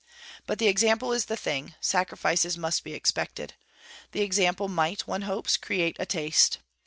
But the example is the thing; sacrifices must be expected. The example might, one hopes, create a taste.